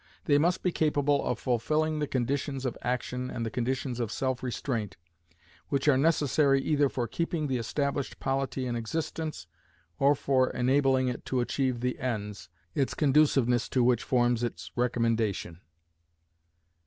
They must be capable of fulfilling the conditions of action and the conditions of self restraint, which are necessary either for keeping the established polity in existence, or for enabling it to achieve the ends, its conduciveness to which forms its recommendation.